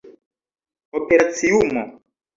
operaciumo